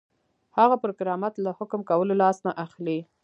هغه پر کرامت له حکم کولو لاس نه اخلي.